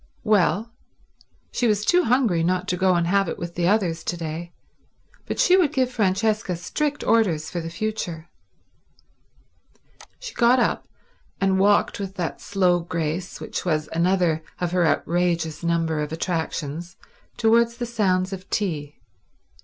Well, she was too hungry not to go and have it with the others to day, but she would give Francesca strict orders for the future. She got up, and walked with that slow grace which was another of her outrageous number of attractions towards the sounds of tea.